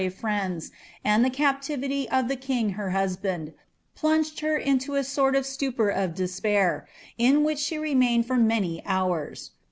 161 biaTe friends^ and the captivity of the king her husband, plunged her into a sort of stupor of despair, in which she remained for many hours.